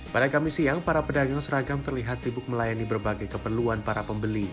pada kamis siang para pedagang seragam terlihat sibuk melayani berbagai keperluan para pembeli